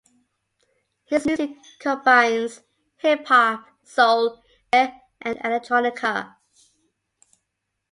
His music combines hip hop, soul, reggae, and electronica.